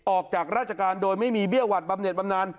ออกจากราชการโดยไม่มีเบี้ยหวัดบำเน็ตบำนาน